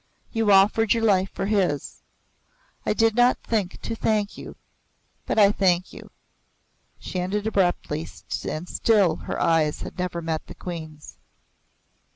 You offered your life for his. I did not think to thank you but I thank you." She ended abruptly and still her eyes had never met the Queen's.